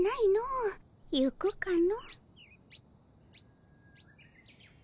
行くかの。